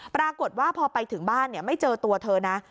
ปรากฏว่าพอไปถึงบ้านไม่เจอตัวเธอนะ